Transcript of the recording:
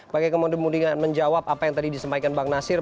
bagaimana kemudian menjawab apa yang tadi disampaikan bang nasir